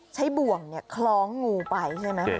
ใช้บ่วงเนี่ยคล้องงูไปใช่ไหม